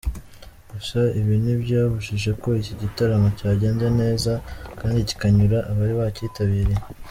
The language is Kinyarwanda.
Gusa ibi ntibyabujije ko iki gitaramo cyagenze neza kandi kikanyura abari bacyitabiriye.